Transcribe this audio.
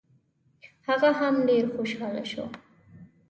هغه هم ډېر خوشحاله شو.